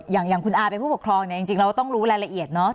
อย่างคุณอาเป็นผู้ปกครองเนี่ยจริงเราก็ต้องรู้รายละเอียดเนาะ